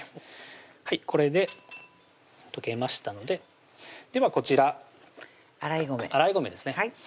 はいこれで溶けましたのでではこちら洗い米ですね